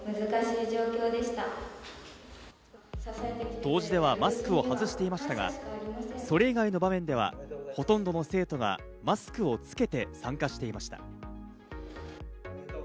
答辞ではマスクを外していましたが、それ以外の場面では、ほとんどの生徒がマスクをつけて参加していました。